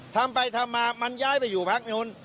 ทำไปทำมามันย้ายไปอยู่พักนู้น